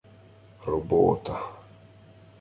— Робота...